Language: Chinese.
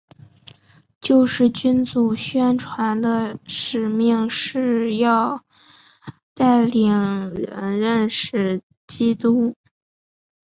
救世军组织宣传的使命是要带领人认识基督。